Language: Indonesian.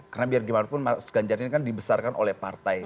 karena biar bagaimanapun mas ganjar ini kan dibesarkan oleh partai